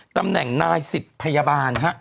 ตำแหน่งนายศิษย์ภยาบาล